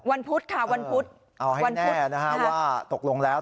วันพุธค่ะวันพุธเอาให้แน่นะคะว่าตกลงแล้ว